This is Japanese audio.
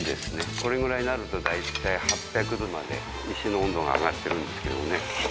これくらいになるとだいたい８００度まで石の温度が上がってるんですけどもね。